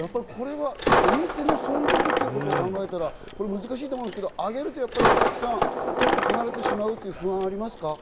お店の存続ということを考えたら難しいと思うんですけど、上げるとお客さん、離れてしまうという不安はありますか？